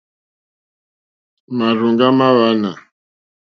Márzòŋɡá mâ hwánà.